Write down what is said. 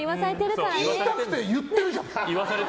言いたくて言ってるじゃん！